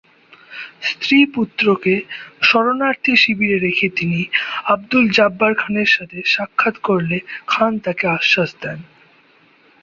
স্ত্রী পুত্রকে শরণার্থী শিবিরে রেখে তিনি আব্দুল জব্বার খানের সাথে সাক্ষাৎ করলে খান তাকে আশ্বাস দেন।